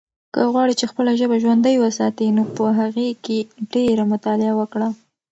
که غواړې چې خپله ژبه ژوندۍ وساتې نو په هغې کې ډېره مطالعه وکړه.